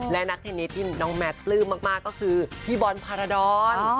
และนักเทนนิสที่น้องแมทปลื้มมากก็คือพี่บอลพารดร